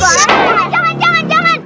jangan jangan jangan jangan